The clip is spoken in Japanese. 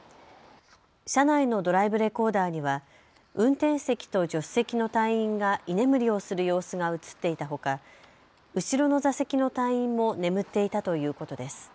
車内のドライブレコーダーには運転席と助手席の隊員が居眠りをする様子が写っていたほか、後ろの座席の隊員も眠っていたということです。